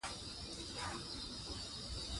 د فرهنګ د يوه جز په توګه ادبيات هم